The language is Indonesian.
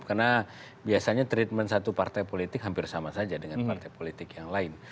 karena biasanya treatment satu partai politik hampir sama saja dengan partai politik yang lain